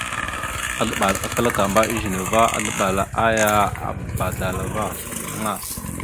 Azləɓal a klakamba a ezine va, azləɓal aya a badala vaŋa.